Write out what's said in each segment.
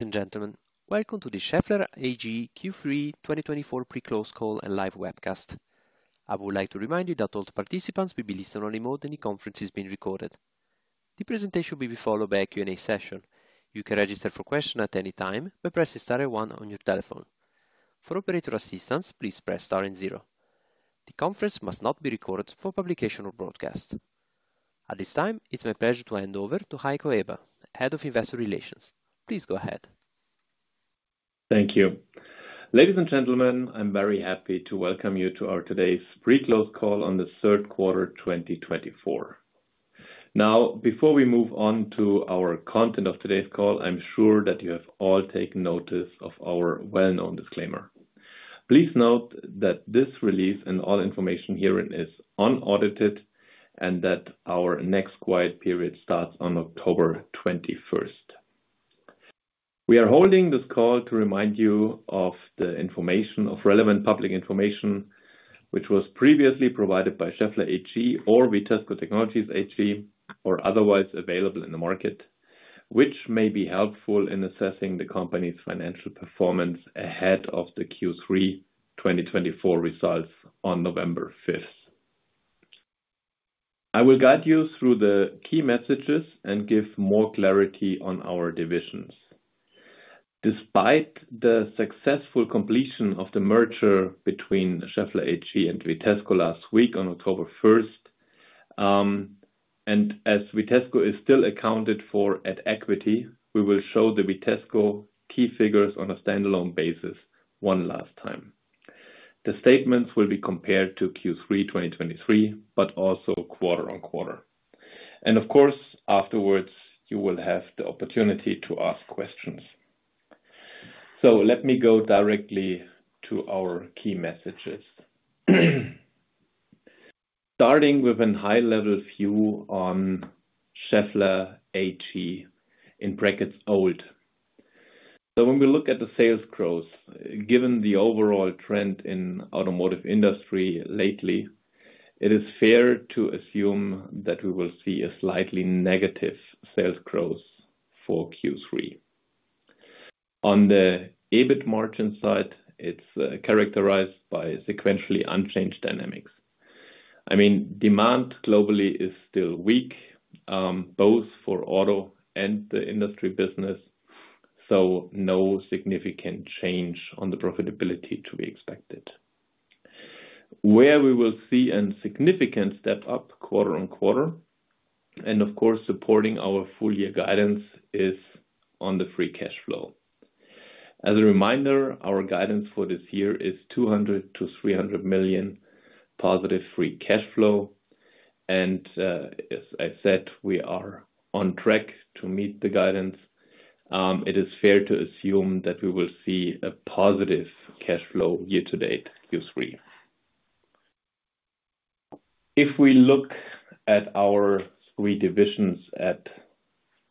Ladies and gentlemen, welcome to the Schaeffler AG Q3 2024 Pre-Close Call and live webcast. I would like to remind you that all participants will be in listen-only mode while the conference is being recorded. The presentation will be followed by a Q&A session. You can ask a question at any time by pressing star one on your telephone. For operator assistance, please press star and zero. The conference must not be recorded for publication or broadcast. At this time, it's my pleasure to hand over to Heiko Eber, Head of Investor Relations. Please go ahead. Thank you. Ladies and gentlemen, I'm very happy to welcome you to our today's Pre-Close Call on the third quarter, 2024. Now, before we move on to our content of today's call, I'm sure that you have all taken notice of our well-known disclaimer. Please note that this release and all information herein is unaudited, and that our next quiet period starts on October 21st. We are holding this call to remind you of the information, of relevant public information, which was previously provided by Schaeffler AG or Vitesco Technologies AG, or otherwise available in the market, which may be helpful in assessing the company's financial performance ahead of the Q3 2024 results on November fifth. I will guide you through the key messages and give more clarity on our divisions. Despite the successful completion of the merger between Schaeffler AG and Vitesco last week on October 1st, and as Vitesco is still accounted for at equity, we will show the Vitesco key figures on a standalone basis one last time. The statements will be compared to Q3 2023, but also quarter-on-quarter. And of course, afterwards, you will have the opportunity to ask questions. So let me go directly to our key messages. Starting with a high-level view on Schaeffler AG, in brackets, old. So when we look at the sales growth, given the overall trend in automotive industry lately, it is fair to assume that we will see a slightly negative sales growth for Q3. On the EBIT margin side, it's characterized by sequentially unchanged dynamics. I mean, demand globally is still weak, both for auto and the industry business, so no significant change on the profitability to be expected. Where we will see a significant step up quarter on quarter, and of course, supporting our full year guidance, is on the free cash flow. As a reminder, our guidance for this year is 200-300 million positive free cash flow, and, as I said, we are on track to meet the guidance. It is fair to assume that we will see a positive cash flow year to date, Q3. If we look at our three divisions at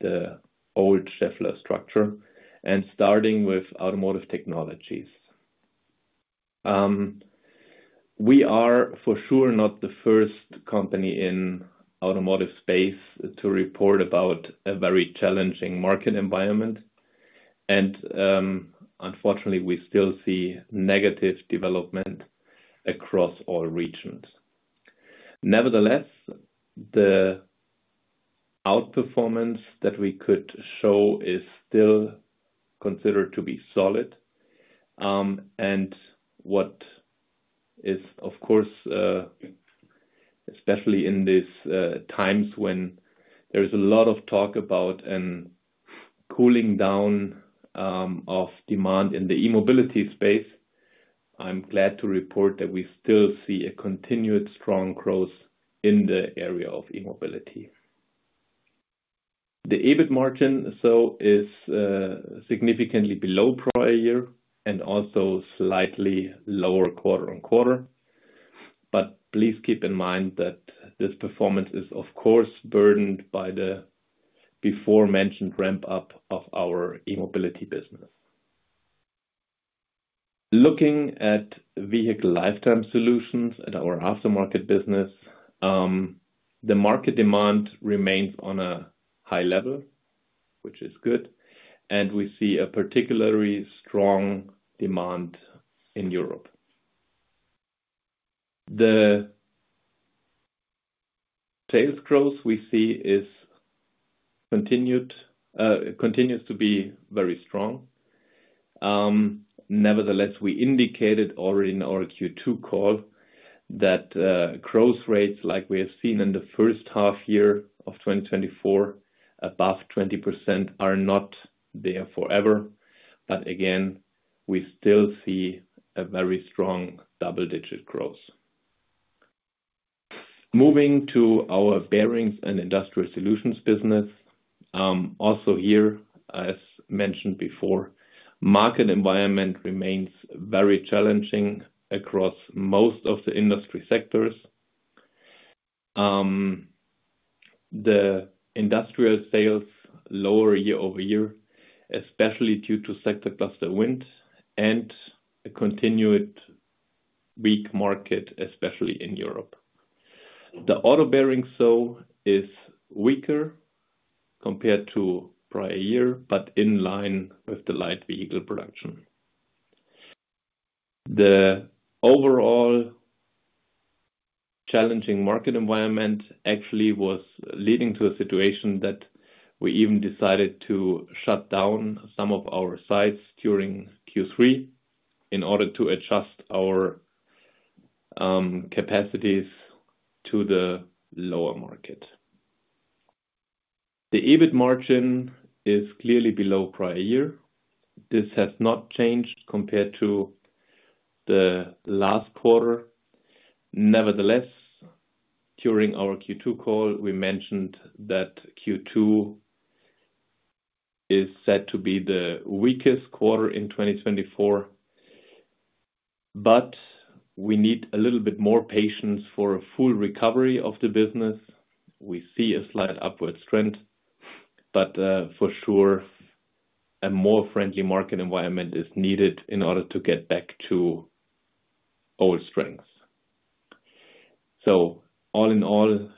the old Schaeffler structure, and starting with Automotive Technologies. We are for sure, not the first company in automotive space to report about a very challenging market environment, and, unfortunately, we still see negative development across all regions. Nevertheless, the outperformance that we could show is still considered to be solid, and what is, of course, especially in these times when there is a lot of talk about a cooling down of demand in the E-mobility space, I'm glad to report that we still see a continued strong growth in the area of E-mobility. The EBIT margin [also] is significantly below prior year and also slightly lower quarter on quarter. But please keep in mind that this performance is, of course, burdened by the before mentioned ramp-up of our E-mobility business. Looking at Vehicle Lifetime Solutions at our aftermarket business, the market demand remains on a high level, which is good, and we see a particularly strong demand in Europe. The sales growth we see continues to be very strong. Nevertheless, we indicated already in our Q2 call that growth rates like we have seen in the first half year of 2024, above 20%, are not there forever. But again, we still see a very strong double-digit growth. Moving to our Bearings and Industrial Solutions business, also here, as mentioned before, market environment remains very challenging across most of the industry sectors. The industrial sales lower year-over-year, especially due to sector cluster wind and a continued weak market, especially in Europe. The auto bearings so is weaker compared to prior year, but in line with the light vehicle production. The overall challenging market environment actually was leading to a situation that we even decided to shut down some of our sites during Q3 in order to adjust our capacities to the lower market. The EBIT margin is clearly below prior year. This has not changed compared to the last quarter. Nevertheless, during our Q2 call, we mentioned that Q2 is set to be the weakest quarter in 2024, but we need a little bit more patience for a full recovery of the business. We see a slight upward trend, but, for sure, a more friendly market environment is needed in order to get back to old strength, so all in all,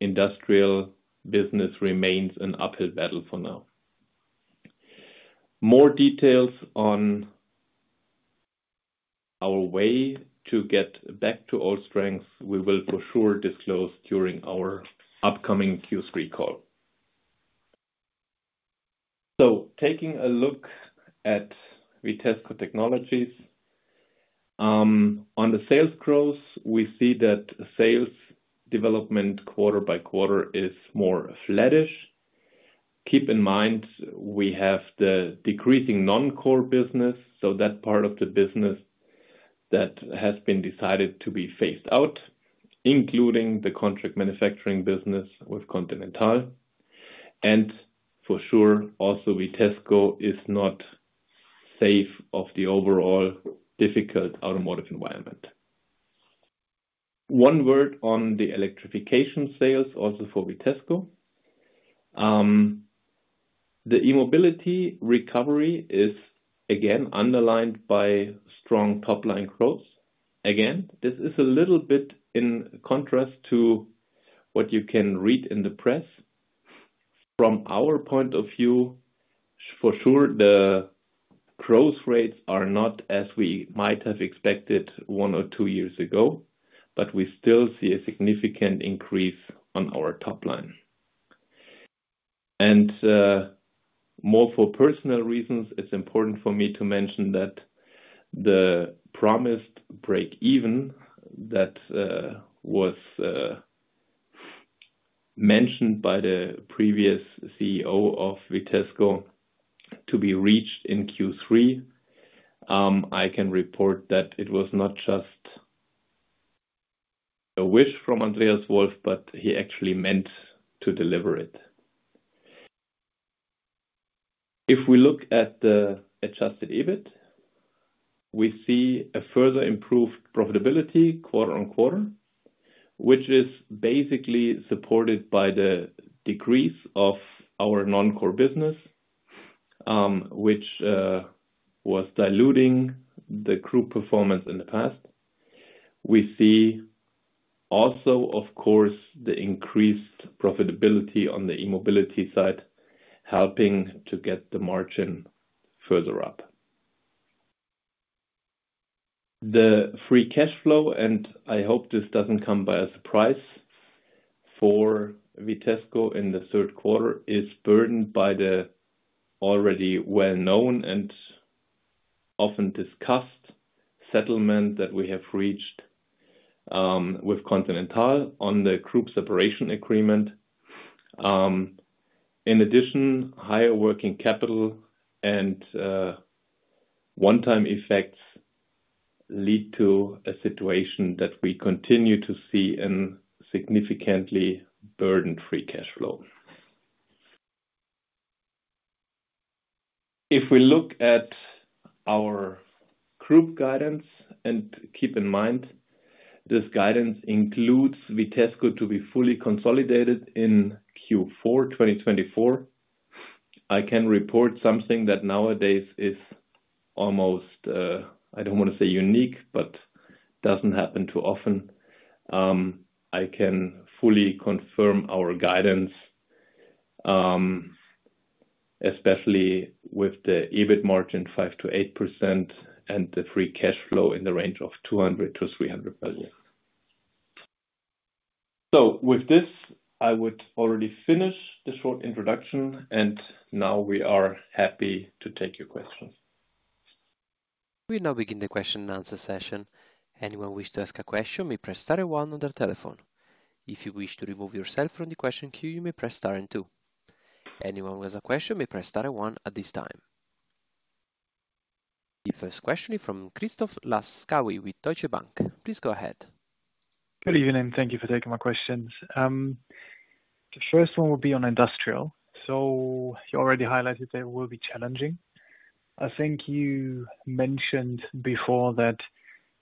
industrial business remains an uphill battle for now. More details on our way to get back to old strength, we will for sure disclose during our upcoming Q3 call, so taking a look at Vitesco Technologies, on the sales growth, we see that sales development quarter by quarter is more flattish. Keep in mind, we have the decreasing Non-Core business, so that part of the business that has been decided to be phased out, including the contract manufacturing business with Continental, and for sure, also Vitesco is not safe from the overall difficult automotive environment. One word on the electrification sales, also for Vitesco. The e-mobility recovery is again underlined by strong top-line growth. Again, this is a little bit in contrast to what you can read in the press. From our point of view, for sure, the growth rates are not as we might have expected one or two years ago, but we still see a significant increase on our top line. More for personal reasons, it's important for me to mention that the promised breakeven that was mentioned by the previous CEO of Vitesco to be reached in Q3. I can report that it was not just a wish from Andreas Wolf, but he actually meant to deliver it. If we look at the Adjusted EBIT, we see a further improved profitability quarter on quarter, which is basically supported by the decrease of our Non-Core business, which was diluting the group performance in the past. We see also, of course, the increased profitability on the E-mobility side, helping to get the margin further up. The free cash flow, and I hope this doesn't come by a surprise for Vitesco in the third quarter, is burdened by the already well-known and often discussed settlement that we have reached, with Continental on the Group Separation Agreement. In addition, higher working capital and, one-time effects lead to a situation that we continue to see in significantly burdened free cash flow. If we look at our group guidance, and keep in mind, this guidance includes Vitesco to be fully consolidated in Q4, 2024, I can report something that nowadays is almost, I don't want to say unique, but doesn't happen too often. I can fully confirm our guidance, especially with the EBIT margin, 5%-8%, and the free cash flow in the range of 200-300 million. So with this, I would already finish the short introduction, and now we are happy to take your questions. We now begin the question and answer session. Anyone who wish to ask a question, may press star one on their telephone. If you wish to remove yourself from the question queue, you may press star and two. Anyone who has a question may press star and one at this time. The first question is from Christoph Laskawi with Deutsche Bank. Please go ahead. Good evening, thank you for taking my questions. The first one will be on industrial. So you already highlighted that it will be challenging. I think you mentioned before that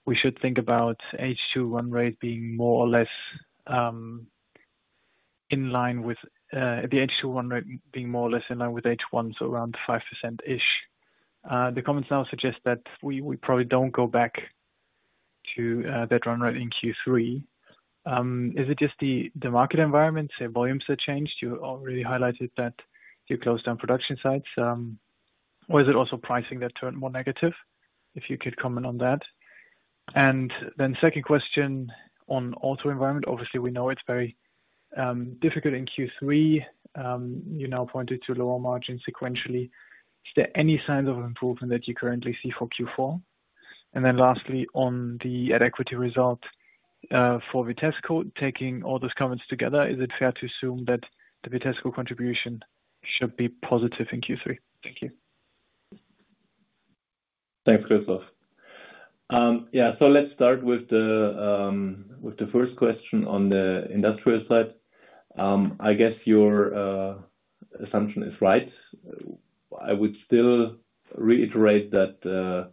we should think about H2 run rate being more or less in line with H1, so around 5%-ish. The comments now suggest that we probably don't go back to that run rate in Q3. Is it just the market environment, say, volumes have changed? You already highlighted that you closed down production sites, or is it also pricing that turned more negative? If you could comment on that. And then second question on auto environment. Obviously, we know it's very difficult in Q3. You now pointed to lower margin sequentially. Is there any sign of improvement that you currently see for Q4? And then lastly, on the at equity result, for Vitesco, taking all those comments together, is it fair to assume that the Vitesco contribution should be positive in Q3? Thank you. Thanks, Christoph. Yeah, so let's start with the first question on the industrial side. I guess your assumption is right. I would still reiterate that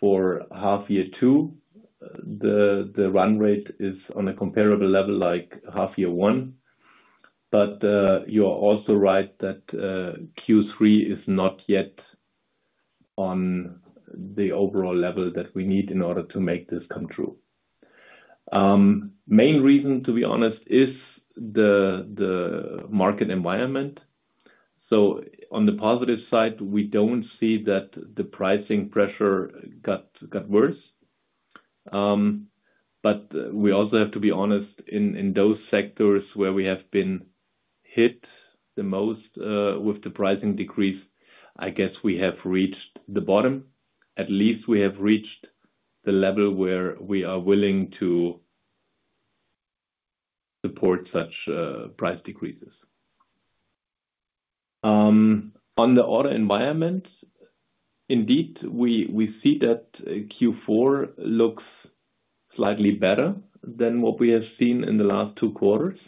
for half year two, the run rate is on a comparable level, like half year one. But you are also right that Q3 is not yet on the overall level that we need in order to make this come true. Main reason, to be honest, is the market environment. So on the positive side, we don't see that the pricing pressure got worse. But we also have to be honest in those sectors where we have been hit the most with the pricing decrease. I guess we have reached the bottom. At least we have reached the level where we are willing to support such price decreases. On the order environment, indeed, we see that Q4 looks slightly better than what we have seen in the last two quarters.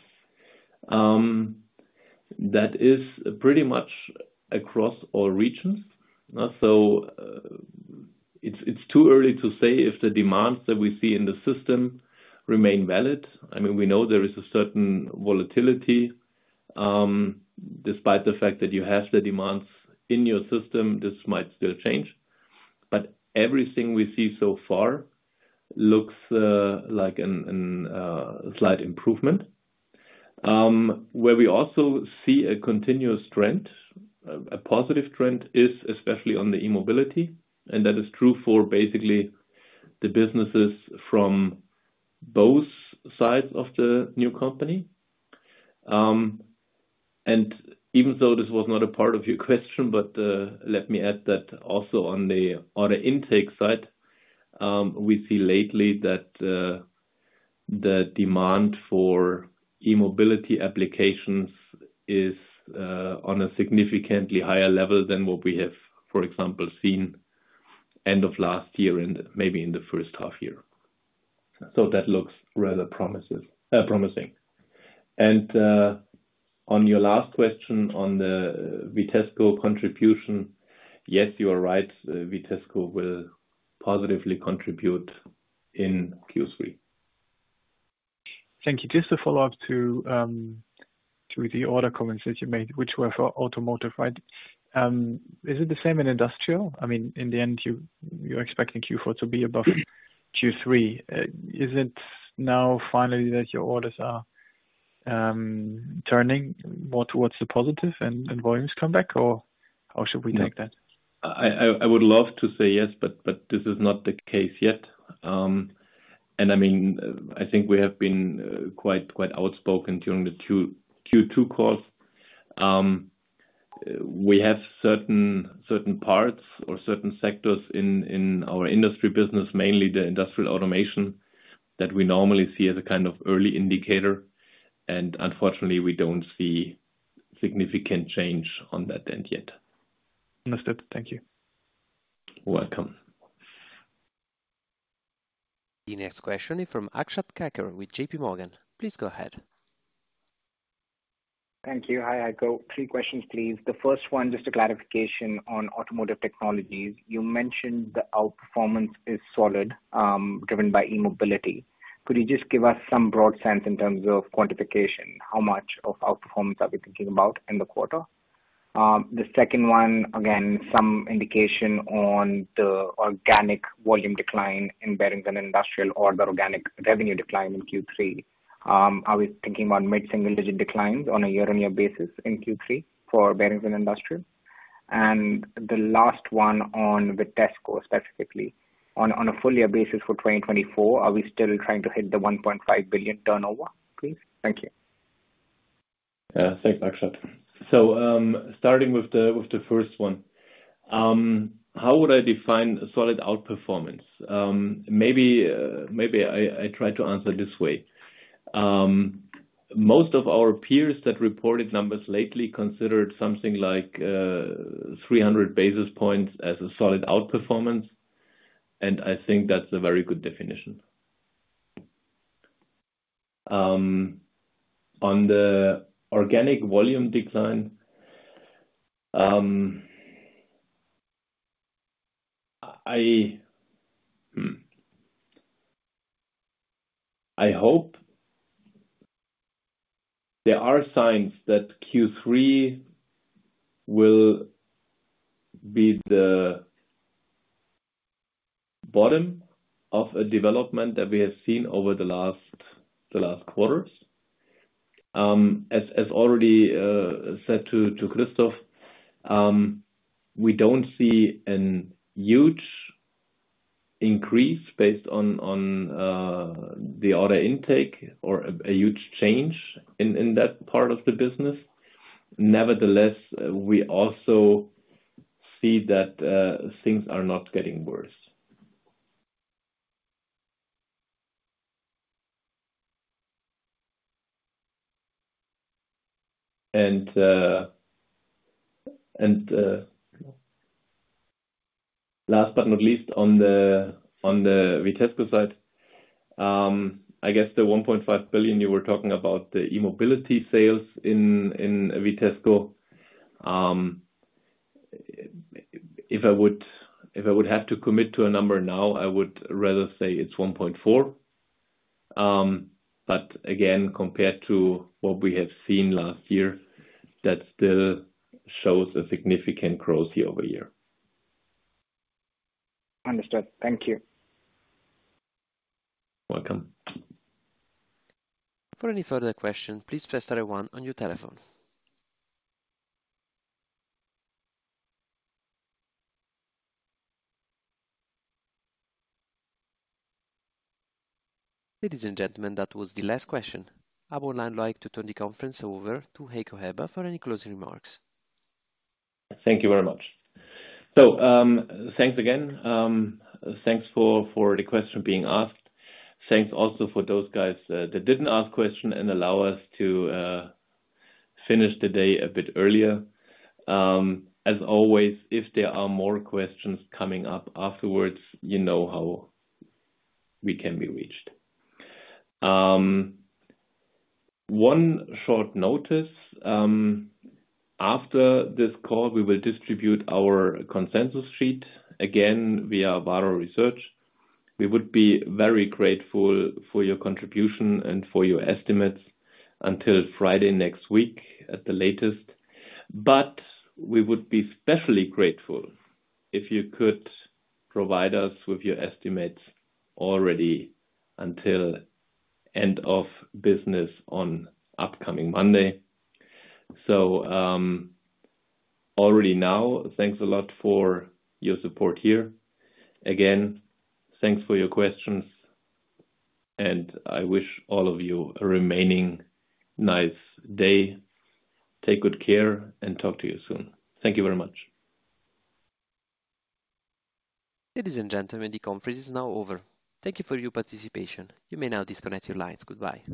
That is pretty much across all regions. So, it's too early to say if the demands that we see in the system remain valid. I mean, we know there is a certain volatility, despite the fact that you have the demands in your system, this might still change. But everything we see so far looks like a slight improvement. Where we also see a continuous trend, a positive trend, is especially on the e-mobility, and that is true for basically the businesses from both sides of the new company. Even though this was not a part of your question, but let me add that also on the order intake side, we see lately that the demand for e-mobility applications is on a significantly higher level than what we have, for example, seen end of last year and maybe in the first half year. So that looks rather promising. On your last question on the Vitesco contribution, yes, you are right. Vitesco will positively contribute in Q3. Thank you. Just a follow-up to the order comments that you made, which were for automotive, right? Is it the same in industrial? I mean, in the end, you, you're expecting Q4 to be above Q3. Is it now finally, that your orders are turning more towards the positive and volumes come back, or how should we take that? I would love to say yes, but this is not the case yet. I mean, I think we have been quite outspoken during the Q2 calls. We have certain parts or certain sectors in our industry business, mainly the industrial automation, that we normally see as a kind of early indicator, and unfortunately, we don't see significant change on that end yet. Understood. Thank you. Welcome. The next question is from Akshat Kacker with J.P. Morgan. Please go ahead. Thank you. Hi, Heiko. Three questions, please. The first one, just a clarification on Automotive Technologies. You mentioned the outperformance is solid, driven by e-mobility. Could you just give us some broad sense in terms of quantification, how much of outperformance are we thinking about in the quarter? The second one, again, some indication on the organic volume decline in Bearings & Industrial Solutions or the organic revenue decline in Q3. Are we thinking about mid-single digit declines on a year-on-year basis in Q3 for Bearings & Industrial Solutions? And the last one on the Vitesco, specifically. On, on a full year basis for twenty twenty-four, are we still trying to hit the 1.5 billion turnover, please? Thank you. Thanks, Akshat. So, starting with the first one, how would I define a solid outperformance? Maybe I try to answer this way. Most of our peers that reported numbers lately considered something like three hundred basis points as a solid outperformance, and I think that's a very good definition. On the organic volume decline, I hope there are signs that Q three will be the bottom of a development that we have seen over the last quarters. As already said to Christoph, we don't see a huge increase based on the order intake or a huge change in that part of the business. Nevertheless, we also see that things are not getting worse. Last but not least, on the Vitesco side, I guess the 1.5 billion you were talking about, the e-mobility sales in Vitesco. If I would have to commit to a number now, I would rather say it's 1.4. But again, compared to what we have seen last year, that still shows a significant growth year-over-year. Understood. Thank you. Welcome. For any further questions, please press star one on your telephone. Ladies and gentlemen, that was the last question. I would now like to turn the conference over to Heiko Eber for any closing remarks. Thank you very much, so thanks again. Thanks for the question being asked. Thanks also for those guys that didn't ask question and allow us to finish the day a bit earlier. As always, if there are more questions coming up afterwards, you know how we can be reached. One short notice, after this call, we will distribute our consensus sheet again, via Vara Research. We would be very grateful for your contribution and for your estimates until Friday next week at the latest, but we would be especially grateful if you could provide us with your estimates already until end of business on upcoming Monday, so already now, thanks a lot for your support here. Again, thanks for your questions, and I wish all of you a remaining nice day. Take good care and talk to you soon. Thank you very much. Ladies and gentlemen, the conference is now over. Thank you for your participation. You may now disconnect your lines. Goodbye.